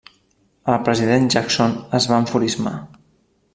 El president Jackson es va enfurismar.